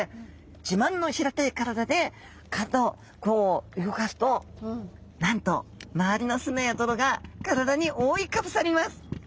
自慢の平たい体で体をこう動かすとなんと周りの砂や泥が体に覆いかぶさります。